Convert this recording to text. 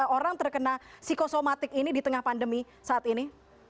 orang terkena psikosomatik ini di tengah pandemi saat ini